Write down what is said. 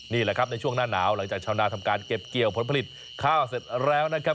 นี่แหละครับในช่วงหน้าหนาวหลังจากชาวนาทำการเก็บเกี่ยวผลผลิตข้าวเสร็จแล้วนะครับ